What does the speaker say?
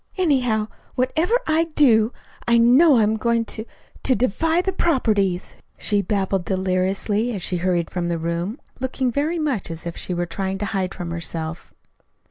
Anyhow, whatever I do I know I'm going to to defy the 'properties,'" she babbled deliriously, as she hurried from the room, looking very much as if she were trying to hide from herself.